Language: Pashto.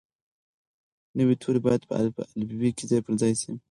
نوي توري باید په الفبې کې ځای پر ځای شي.